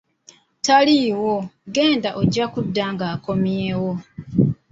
"Taliiwo, genda ojja kudda ng'akomyewo."